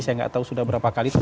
saya nggak tahu sudah berapa kali